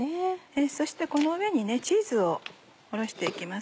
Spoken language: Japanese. そしてこの上にチーズをおろして行きます。